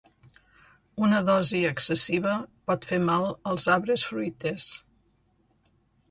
Una dosi excessiva pot fer mal als arbres fruiters.